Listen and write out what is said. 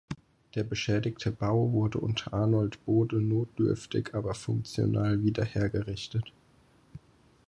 Der beschädigte Bau wurde unter Arnold Bode notdürftig aber funktional wieder hergerichtet.